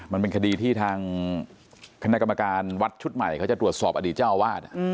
มันเป็นคดีที่ทางคณะกรรมการวัดชุดใหม่เขาจะตรวจสอบอดีตเจ้าอาวาส